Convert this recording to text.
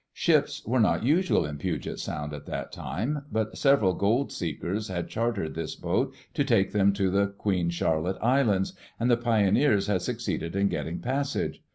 Ships were not usual in Puget Sound at that time, buit several gold seekers had chartered this boat to take them to the Queen Charlotte Islands, and the pioneers had succeeded in getting passage.